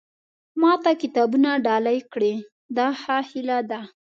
ما ته کتابونه ډالۍ کړي دا ښه هیله ده.